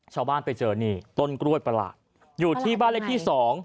ชาวบ้านไปเจอนี่ต้นกล้วยประหลาดอยู่ที่บ้านเลขที่สอง